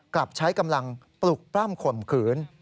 กลับใช้กำลังปลุกปล้ำข่มขืน